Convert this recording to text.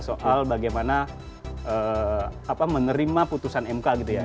soal bagaimana menerima putusan mk gitu ya